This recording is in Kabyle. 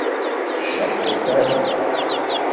Tejreḥ tasa-s.